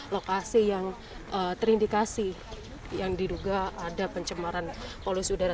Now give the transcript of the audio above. lokasi yang terindikasi yang diduga ada pencemaran polusi udara